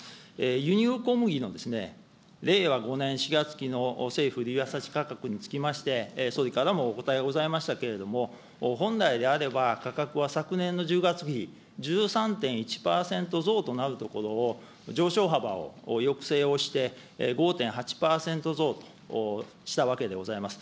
輸入小麦の令和５年４月期の政府売り渡し価格につきまして、総理からお答えございましたけれども、本来であれば、価格は昨年の１０月比１３．１％増となるところを、上昇幅を抑制をして、５．８％増としたわけでございます。